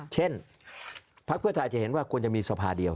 เช่นภาคเพื่อข้าจะเห็นว่าควรจะมีสภาคงเดียว